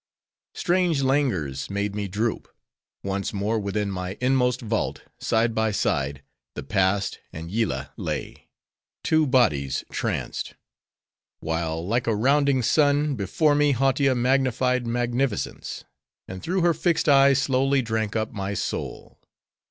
Strange languors made me droop; once more within my inmost vault, side by side, the Past and Yillah lay:—two bodies tranced;—while like a rounding sun, before me Hautia magnified magnificence; and through her fixed eyes, slowly drank up my soul.